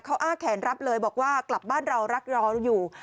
เขาอ้าแขนรับเลยบอกว่ากลับบ้านเรารักรอเราอยู่